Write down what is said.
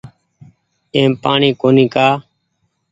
ايم پآڻيٚ ڪونيٚ ڪآ